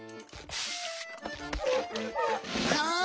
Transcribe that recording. ああ？